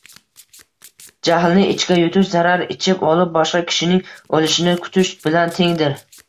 Jahlni ichga yutish zahar ichib olib boshqa kishining o’lishini kutish bilan tengdir